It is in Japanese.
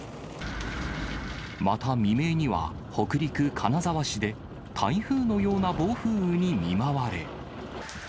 また未明には、北陸、金沢市で台風のような暴風雨に見舞われ。